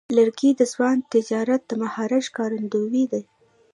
لرګی د ځوان نجار د مهارت ښکارندوی دی.